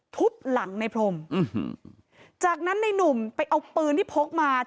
ทุบหลังในพรมจากนั้นในนุ่มไปเอาปืนที่พกมา